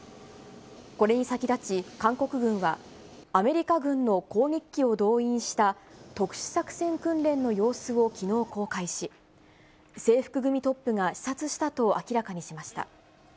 これに先立ち、韓国軍は、アメリカ軍の攻撃機を動員した特殊作戦訓練の様子をきのう公開し、制服組トップが視察したと明らかにしました。